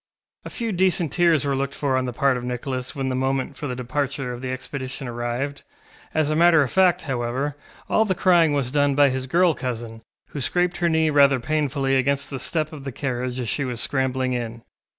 A few decent tears were looked for on the part of Nicholas when the moment for the departure of the expedition arrived. As a matter of fact, however, all the crying was done by his girl cousin, who scraped her knee rather painfully against the step of the carriage as she was scrambling in.